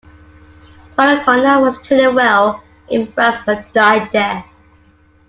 Donnacona was treated well in France but died there.